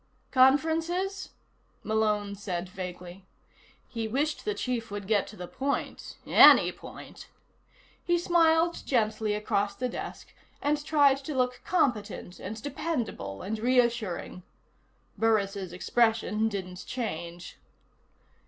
"Conferences?" Malone said vaguely. He wished the Chief would get to the point. Any point. He smiled gently across the desk and tried to look competent and dependable and reassuring. Burris' expression didn't change.